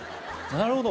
なるほど。